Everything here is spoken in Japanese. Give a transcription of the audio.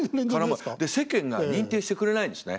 世間が認定してくれないんですね。